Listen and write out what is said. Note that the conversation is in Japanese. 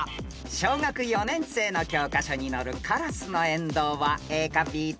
［小学４年生の教科書に載るカラスノエンドウはＡかＢどっち？］